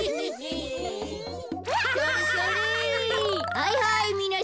はいはいみなさん